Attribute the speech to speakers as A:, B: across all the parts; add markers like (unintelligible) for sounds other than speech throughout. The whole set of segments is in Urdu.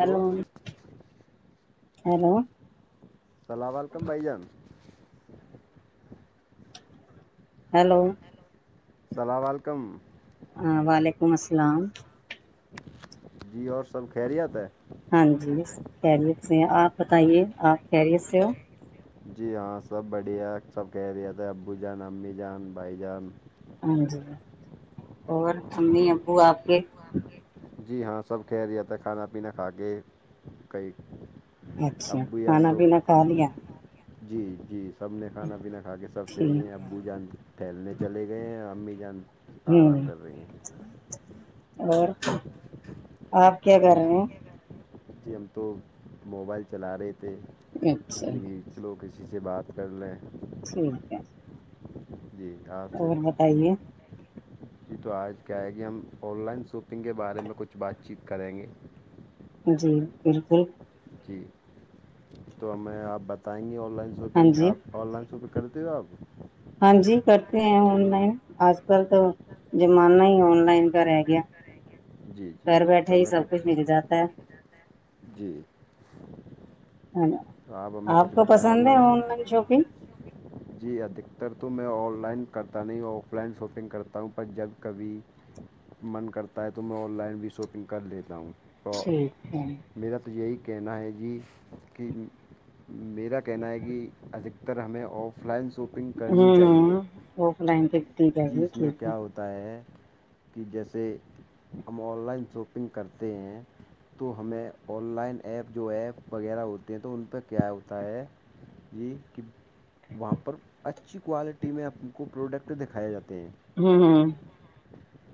A: ہلو
B: ہیلو
A: اللام علکم بھائی جان
B: ہلو
A: السلام علیکم
B: ہاں وعلیکم السلام
A: جی اور سب خیریت ہے
B: ہاں جی خیریت سے آپ بتائیے آپ خیریت سے ہو
A: جی ہاں سب بڑھیا سب کہہ رہے تھاے ابو جان امی جان بھائی جان
B: ہاں جی اور امی ابو آپ کے
A: جی ہاں سب کہہ رہیا تھا کھانا پینا کھا کے کئی
B: اچھا
A: ابو جان
B: کھانا
A: تو
B: پینا کھا لیا
A: جی جی سب نے کھانا پینا کھا کے سب سے دیے ہیں
B: ٹھیک
A: اب ابو جان ٹھیلنے چلے گئے ہیں اور امی جان
B: ہے ہوں
A: آرام کر رہے ہیں
B: اور (unintelligible)
A: (inaudible) (inaudible)
B: آپ کیا کر
A: جی
B: رہے ہیں
A: جی ہم تو موبائل چلا رہے تھے
B: اچھا
A: کچھ لوگ اسسی سے بات کر لیں
B: ٹھیک ہے
A: جی آپ سے
B: اور بتائیے
A: جی تو آج کیا ہے کہی ہم آن لائن شاپنگ کے بارے میں کچھ بات چیت کریں گے
B: جی بالکل
A: جی تو ہمیں آپ بتائیں گی آن لائن
B: ہاں
A: شاپنگ
B: جی
A: آپ آن لائن شاپنگ کرتے ہو آپ (unintelligible)
B: ہاں جی کرتے ہیں آن لائن آج کل تو زمانہ ہی آن لائن کا رہ گیا
A: جی جی
B: گھر بیٹھے
A: تو
B: ہی
A: ہمیں
B: سب
A: گھر
B: کچھ مل جاتا ہے
A: بیٹھے ہی جی
B: آپ کو پسند ہے آن لائن شاپنگ
A: (inaudible) (inaudible) جی ادھکتر تو میں آن لائن کرتا نہیں آف لائن شاپنگ کرتا ہوں پر جب کبھی من کرتا ہے تو میں آن لائن بھی شاپنگ کر لیتا ہوں تو
B: ٹھیک ہے
A: میرا تو یہی کہنا ہے جی کہ میرا کہنا ہے کہ ادکتر ہمیں آف لائن سوپ
B: ہوں ہ وہک لائ
A: جی اس میں کیا ہوتا ہے کہ جیسے ہم آن لائن شاپنگ کرتے ہیں تو ہمیں آن لائن ایپ جو ایپ وغیرہ ہوتے ہیں تو ان پہ کیا ہوتا ہے جی کہ وہاں پر اچھی کوالٹی میں آپ کو پروڈکٹ دکھ کھائے جاتے ہیں
B: ہوں ہاں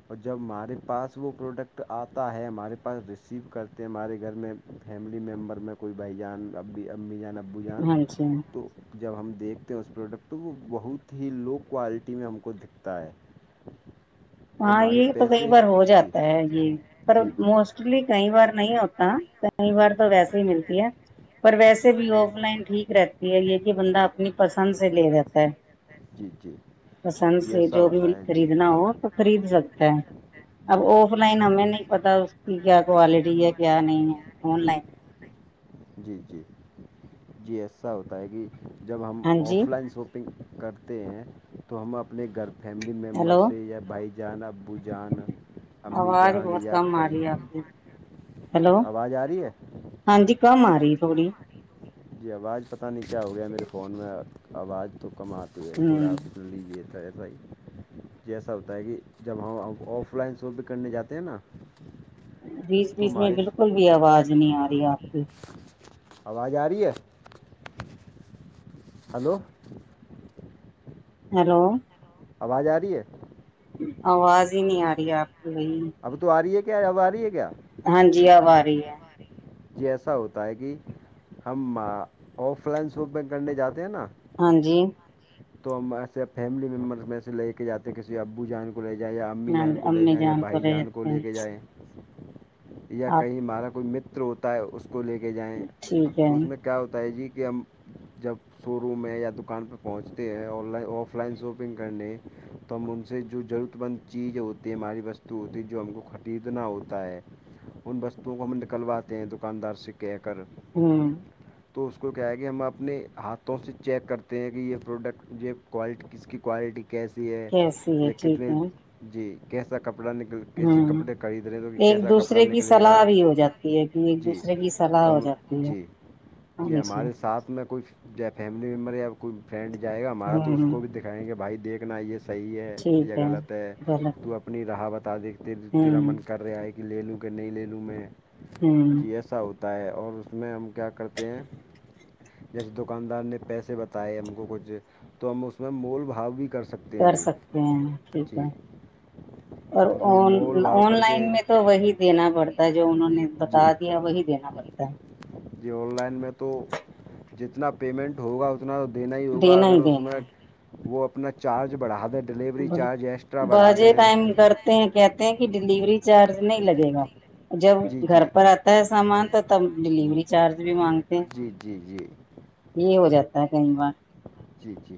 A: اور جب ہمارے پاس وہ پروڈکٹ آتا ہے ہمارے پاس ریسیو کرتے ہیں ہمارے گھر میں فیملی ممبر میں کوئی بھائی جان اب امی جان ابو جان
B: ہاں جی
A: تو جب ہم دیکھتے اس پروڈکٹ تو وہ بہت ہی لو کوالٹی میں ہم کو دکھتا ہے اور
B: ہاں
A: ہمارے
B: یہ تو کئی
A: پیسے
B: بار ہو
A: جی
B: جاتا ہے یہ پر
A: جی جی
B: موسٹ ایکچولی کئی بار نہیں ہوتا کئی بار تو ویسے ہی ملتی ہے پر ویسے بھی آف لائن ٹھیک رہتی ہے یہ کہ بندہ اپنی پسند سے لے رہتا ہے
A: جی جی
B: پسند
A: جی
B: سے
A: ایسا
B: جو بھی
A: ہوتا ہے جی
B: خریدنا ہو آپ خرید سکتا ہے
A: جی
B: ابف آن لائن ہمیں نہیں پتا اس کی کیا کوالٹی ہے کیا نہیں ہے آن لائن
A: جی جی جی ایسا ہوتا ہے کہ جب ہم
B: ہاں جی
A: آف لائن سو شاپنگ کرتے ہیں تو ہم اپنے گھر فیملی ممبر
B: ہیلو
A: سے یا بھائی جان ابو جان امی
B: آواز
A: جان
B: بہت
A: یا
B: کم آ
A: کئی
B: رہی ہے آپ کی ہیلو
A: آواز آ رہی ہے
B: ہاں جی کہ م آ رہی تھوڑی
A: جی آواز پتہ نہیں کیا ہو گیا ہے میرے فون میں آواز تو کم آتی ہے تھوڑا
B: ہوں
A: لیے تھا لائی جیسا ہوتا ہے کہ جب ہم آف لائن شاپ بھی کرنے جاتے ہیں نا
B: بیس
A: تو
B: بیس میں
A: ہمارے
B: بالکل بھی آواز نہیں آ رہی آپ کی
A: یاری ہے ہلو
B: ہیلو
A: آوج آ رہی ہے
B: آواز ہی نہیں آ رہی آپ کی وہی
A: اب تو آ رہی ہے کیا اب آ رہی ہے کیا
B: ہاں جی آوا رہی ہے
A: جی ایسا ہوتا ہے کہ ہم آف لائن شاپنگ کرنے جاتے ہیں نا
B: ہاں جی
A: تو ہم ایسے فیملی ممبرس میں سے لے کے جاتے ہیں کسی ابو جان کو کو لے جائیں یا امی جان کو لے
B: امی
A: جائیں یا بھائی جان کو
B: رہتے
A: لے
B: ہیں
A: کے جائیں یا
B: آپ
A: کہیں ہمارا کوئی متر ہوتا ہے اس کو لے کے جائیں
B: ٹھیک ہے
A: تو اس میں کیا ہوتا ہے جی کہ ہم جب شو روم میں یا دکان پہ پہنچ ہیں online offline shopping کرنے تو ہم ان سے جو ضرورت مند چیزیں ہوتی ہے ہماری بس تو ہوتی ہے جو ہم کو خریدنا ہوتا ہے ان وستوؤں کو ہم نکلواتے ہیں دکاندار سے کہہ کر
B: ہوں
A: تو اس کو کیا ہے کہ ہم اپنے ہاتھوں سے چیک کرتے ہیں کہ یہ پروڈکٹ یہ کوال کس کی کوالٹی کیسی ہے
B: کیسی ہے
A: یا
B: ٹھیک
A: کتنے
B: ہے
A: جی کیسا کپڑا نکل کیسے
B: ہوں
A: کپڑے خرید رہے ہیں تو کہ
B: ایک
A: کیسا کپڑا
B: دوسرے کی
A: نکلے گا
B: صلاح بھی ہو جاتی ہے کہ ایک
A: جی
B: دوسرے کی سلاح
A: تو
B: ہو
A: ہم
B: جاتی ہے
A: جی جی ہمارے ساتھ میں کچھ چاہے فیملی ممبر یا کوئی فرینڈ جائے گا ہمارا تو اس
B: ہوں
A: کو بھی دکھائیں گے بھائی دیکھنا یہ صحیح ہے یا غلط ہے
B: غلط
A: تو
B: ہے،
A: اپنی راہ بتا دیکتے تیرا
B: ہوں
A: من کر رہا ہے ایک کہ لے لوں کہ نہیں لے لوں میں
B: ہوں
A: جی ایسا ہوتا ہے اور اس میں ہم کیا کرتے ہیں جیسے دکاندار نے پیسے بتائے ہم کجے تو ہم اس میں مول بھاؤ بھی کر سکتے ہیں
B: کر سکتے ہیں ٹھیک ہے
A: ہ
B: اور آن لائن میں تو وہی دینا پڑتا ہے جو انہوں نے بتا
A: جی
B: دیا وہی دینا تا
A: جی آن لائن میں تو جتنا پیمنٹ ہوگا اتنا دینا ہی
B: ہے
A: ہوگا اگر
B: ہی
A: اس میں
B: دینا
A: وہ اپنا چارج بڑھا دیتا
B: بازے ٹائم کرتے ہیں کہتے ہیں کہ ڈلیوری چارج نہیں لگے گا جب
A: جی
B: گھر
A: جی
B: پر آتا ہے سامان تو تب ڈیلیوری چارج بھی مانگتے ہیں
A: جی جی جی
B: یہ ہو جاتا ہے کہیں بار
A: جی جی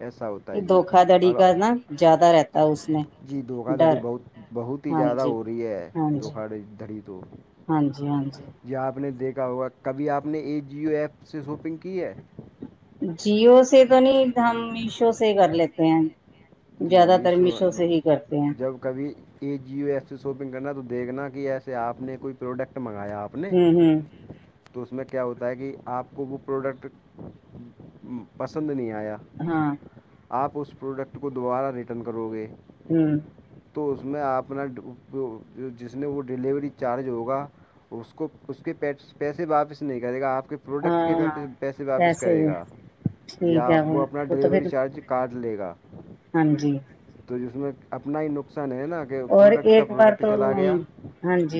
A: یا ساؤت
B: دھوکا دھڑی کا نا زیادہ رہتا ہے اس میں
A: جی دھوکا دھڑی
B: ڈر
A: بہت بہت ہی
B: ہاں
A: زیادہ
B: جی
A: ہو رہی ہے
B: ہاں جی
A: دھوکا دھڑی تو
B: ہاں جی ہاں جی
A: جی آپ نے دیکھا ہوگا کبھی آپ نے اے جیو ایپ سے شاپنگ کی ہے
B: جیو سے تو نہیں ہم میشو سے ہی کر لیتے ہیں زیادہ تر میشو سے ہی کرتے ہیں
A: جب کبھی اے جیو ایف سے شاپنگ کرنا تو دیکھنا کہ ایسے آپ نے کوئی پروڈکٹ منگایا آپ نے
B: ہوں ہوں
A: تو اس میں کیا ہوتا ہے کہ آپ کو وہ پروڈکٹ پسند نہیں آیا
B: ہاں
A: آپ اس پروڈکٹ کو دوبارہ ریٹرن کرو گے
B: ہوں
A: تو اس میں آپنا جس میں وہ ڈلیوری چارج ہوگا اس کو اس کے پیسے واپس نہیں کرے گا آپ کے
B: ہاں
A: پروڈکٹ کے
B: ہاں
A: پیسے واپس کرے
B: بھی
A: گا جی
B: ٹھیک ہے
A: آپ وہ اپنا
B: تو
A: ڈلیوری
B: پھر
A: چارج کاٹ لے گا
B: ہاں جی
A: تو جس میں اپنا ہی نقصان ہے نا کے
B: اور
A: پروڈکٹ کا
B: ایک بار
A: پروڈکٹ
B: تو
A: چلا گیا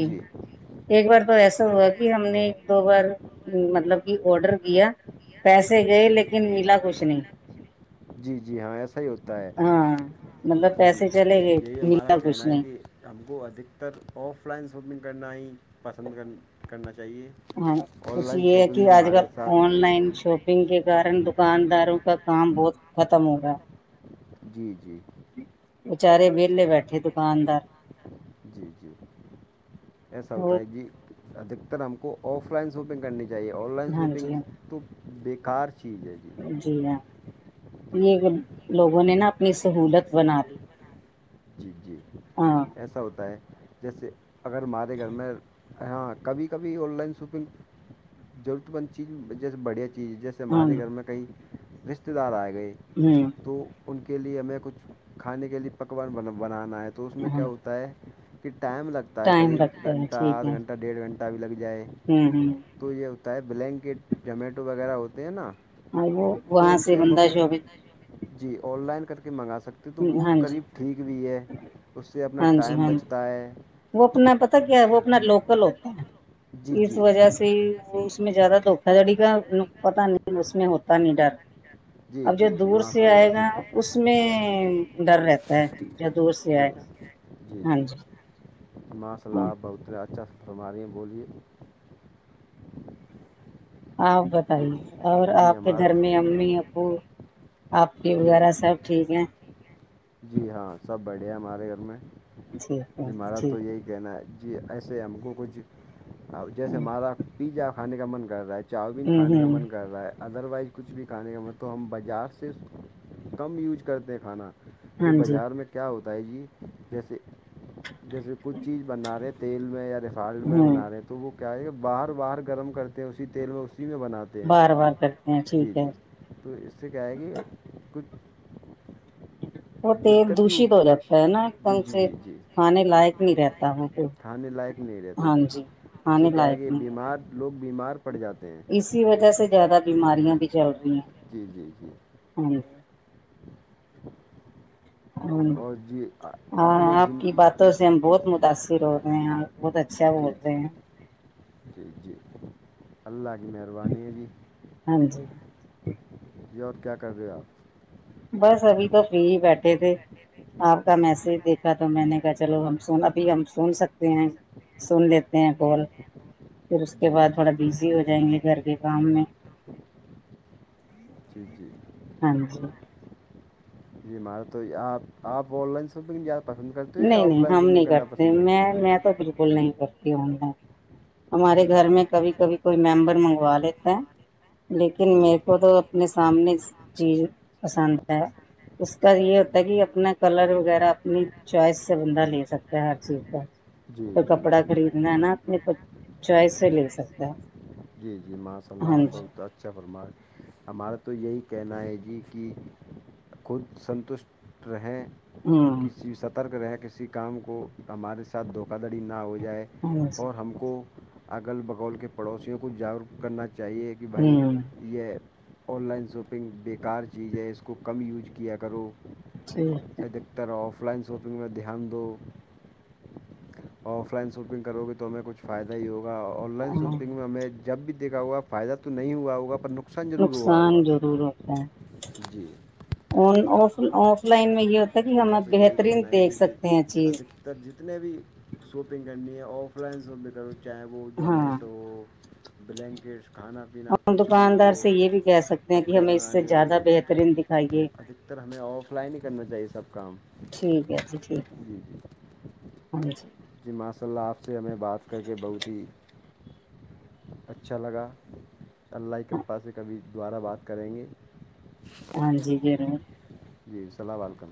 A: جی
B: ایک بار تو ایسا ہوا کہ ہم نے دو بار مطلب کہ آڈر کیا پیسے گئے لیکن ملا کچھ نہیں
A: جی جی ہاں ایس صحیح ہوتا ہے
B: ہاں مطلب
A: جی
B: پیسے چلے گئے
A: یہی ہمارا
B: ملا
A: کہنا
B: کچھ
A: ہے
B: نہیں
A: کہ ہم کو ادھکتر آف لائن شاپنگ کرنا ہی پسند کر کرنا چاہیے
B: ہاں
A: آن
B: خوشی
A: لائن
B: یہ ہے
A: شاپنگ
B: کہ
A: میں
B: آج
A: ہمارے
B: کل
A: ساتھ
B: آن لائن شاپ گ کے کن دکانداروں کا کام بہت ختم ہو رہا ہے
A: جی جی
B: بچارے وے بیٹھے دکاندار
A: جی جی ایسا ہوتا
B: اور
A: ہے جی ادھکتر ہم کو آف لائن شاپنگ کرنی چاہیے چاہے آن لائن
B: ہاں
A: شاپنگ
B: جی
A: تو بیکار چیز ہے جی
B: ہاں جی ہاں
A: جی
B: یہ لوگوں نے نا اپنی سہولت بنا دی
A: ج جی
B: ہاں
A: ایسا ہوتا ہے جیسے اگر ہمارے گھر میں ہاں کبھی کبھی آن لائن شاپنگ ضرورت مند چیز جیسے بڑھیا چیز ہے جیسے
B: ہاں
A: ہمارے گھر میں کئی رشتے دار آئے گئے
B: ہوں
A: تو ان کے لیے ہمیں کچھ کھانے کے لیے پکوان ب بنانا ہے تو اس میں
B: ہاں
A: کیا ہوتا ہے کہ ٹائم لگتا ہے
B: ٹائم
A: قریب
B: لگتا ہے
A: گھنٹہ
B: ٹھیک
A: آدھ
B: ہے
A: گھنٹہ ڈیڑھ گھنٹہ بھی لگ جائے
B: ہوں ہ
A: تو یہ ہوتا ہے بلینکٹ جومیٹو وغیرہ ہوتے ہیں نا
B: ہاں وہ
A: تو
B: وہاں
A: ان
B: سے
A: ہم
B: بندہ
A: اپنے
B: شعبے
A: جی آن لائن کر کے منگا سکتے تو وہ
B: ہاں جی
A: قریب ٹھیک بھی ہے اس سے اپنا
B: ہاں جی
A: ٹائم
B: ہاں جی
A: بچتا ہے
B: وہ اپنا پتا کیا ہے وہ اپنا لوکل ہوتا ہے
A: جی
B: اس
A: جی
B: وجہ سے اس میں زیادہ دھوکا دھڑی کا پتا نہیں اس میں ہوتا نہیں ڈر
A: جی
B: اب جو
A: جی جی
B: دور سے
A: ماشاء اللہ
B: آئے
A: جی
B: گا اس میں ڈر رہتا ہے جو دور سے
A: جی
B: آئے گا
A: جی جی
B: ہ
A: ماصالہپ بہ اتر اچھا فرم رہ ہیں بولیے
B: آپ
A: جی
B: بتائیے اور
A: جی
B: آپ کے
A: ہمارا
B: گھر میں امی ابو پپی
A: جی ہم
B: وغیرہ سب ٹھیک ہیں
A: جی ہاں سب بڑھے ہیں ہمارے گھر میں
B: ٹھیک ہے
A: عمارت تو
B: ٹھیک
A: یہی کہنا جی ایسے ہم کو کچھ جیسے
B: ہ
A: ہمارا پیزا کھانے کا من کر رہا ہے چاؤ بین کھانے کا
B: ہ
A: من کر رہا ہے ادر وائز کچھ بھی کھانے کا من تو ہم بازار سے کم یوج کرتے ہیں کھانا پ
B: ہاں جی
A: بازار میں کیا ہوتا ہے جی جیسے جیسے کچھ چیز بنا رہے تیل میں یا ریفائنڈ میں
B: ہوں
A: بنا رہے تھ تو وہ کیا ہے باہر باہر گرم کرتے ہیں اسی تیل میں اسی میں بناتے ہیں
B: بار بار کرتے
A: ہیں جی
B: ٹھیک ہے
A: جی تو اس سے کیا ہے کہ کچھ
B: وہ تیل
A: دقت بھی
B: دشت ہو جاتا ہے نا ایک
A: جی
B: دم
A: جی
B: سے
A: جی جی
B: کھانے لائق نہیں رہتا وہ کو
A: کھانے لائق نہیں رہتا جی اس سے کیا ہے کہ
B: لائق نہیں
A: بیمار
B: رہتا
A: لوگ بیمار پڑ جاتے ہیں
B: اسی وجہ سے زیادہ بیماریاں بھی چل رہی ہیں
A: جی جی جی
B: ہاں
A: (inaudible)
B: ہ
A: اور جی
B: ہاں
A: اپنے
B: آپ
A: جن
B: کی باتوں سے ہم بہت متاثر ہو رہے ہیں آپ بہت اچھا
A: جی
B: بول
A: جی
B: رہے ہیں
A: جی جی اللہ کی مہربانی ہے جی
B: ہاں جی
A: جی اور کیا کر رہے ہو آپ
B: بس ابھی تو فری ہی بیٹھے تھے آپ کا میسج دیکھا تو میں نے کہا چلو ہم س ابھی ہم سن سکتے ہیں سن لیتے ہیں کال پھر اس
A: آپ
B: کے
A: جی
B: بعد
A: جی
B: تھوڑا بزی ہو جائیں گے گھر کے کام میں
A: جی جی
B: ہاں جی
A: جی مارا تو یہ آپ آپ آن لائن ساپ کیاپ پسند کرتے یا
B: نہیں
A: آف
B: نہیں
A: لائن
B: ہم
A: شاپنگ
B: نہیں
A: کرنا پسند
B: میں
A: کرتے ہیں
B: میں بالکل نہیں کرتی
A: ہوں
B: ہمارے
A: جی
B: گھر میں کبھی کبھی کوئی ممبر منگوا لیتا ہے لیکن میرے کو تو اپنے سامنے چیز پسند ہے اس کا یہ ہوتا ہے کہ اپنا کلر وغیرہ اپنی چوائس سے بندہ لے سکتا ہے ہر چیز کا
A: جی
B: کوئی
A: جی
B: کپڑا
A: جی
B: خریدنا ہے نا اپنے چوائس سے لے سکتا ہے
A: سکتا جی جی ماشاء اللہ
B: ہاں
A: آپ
B: جی
A: بہت اچھا اچھا فرمار ہمارا تو یہی کہنا ہے جی کہ خود سنتشٹ رہیں
B: ہوں
A: کسی سب سترک رہے کسی کام کو ہمارے ساتھ دھوکا دھڑی نہ ہو جائے
B: ہاں جی
A: اور ہم کو اگل بگول کے پڑوسیوں کو جاگروک کرنا چاہیے کہ بھائی
B: ہوں
A: یہ آن لائن شاپنگ بیکار چیز ہے اس کو کم یوج کیا کرو
B: ٹھیک ہے
A: ایک ترح آف لائن شاپنگ میں دھیان دو اور آف لائن شاپنگ کرو گے تو ہمیں کچھ فائدہ ہی ہوگا اور آن لائن
B: ہاں
A: شاپنگ میں ہمیں جب بھی دیکھا ہوگا فائدہ تو نہیں ہوا ہوگا پر ن
B: نقصان ضرور ہوتا ہے
A: جی
B: آف لائن میں یہ ہوتا ہے کہ ہم
A: ہمارا
B: ا بہترین دیکھ سکتے ہیں چیز
A: تر جتنے بھی شاپنگ کرنی ہے آف لائن شپنگ کرو چاہے وہ
B: ہاں
A: جمیٹو ہو بلینکیٹس کھانا پینا
B: ہم
A: کچھ بھی ہو
B: دکاندار سے یہ بھی کہہ سکتے ہیں کہ
A: کپڑے
B: ہمیں اس سے زیادہ بہترین دکھائیے
A: سر ہمیں آف لائن ہی کرنا چاہیے سب کام
B: ٹھیک ہے جی ٹھیک ہے
A: جی جی
B: ہاں جی
A: جی ماشا اللہ آپ سے ہمیں بات کر کے بہت ہی اچھا لگا اللہ کی کرپا سے کبھی دوبارہ بات کریں گے
B: ہاں جی ضرور
A: جی السلام علیکم